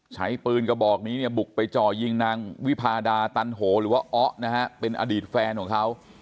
ใช้ปืนกระบอกนี้เนี่ยบุกไปจ่อยิงนางวิพาดาตันโหหรือว่าอ๊ะนะฮะเป็นอดีตแฟนของเขา